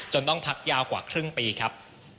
ต้องพักยาวกว่าครึ่งปีครับ